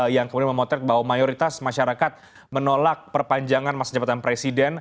yang kemudian memotret bahwa mayoritas masyarakat menolak perpanjangan masa jabatan presiden